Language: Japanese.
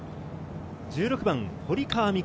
１６番、堀川未来